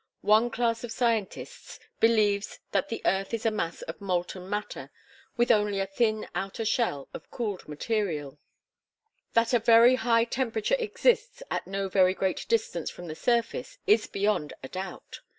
One class of scientists believes that the earth is a mass of molten matter, with only a thin outer shell of cooled material. That a very [Illustration: ERUPTION OF MOUNT VESUVIUS.] high temperature exists at no very great distance from the surface is beyond a doubt.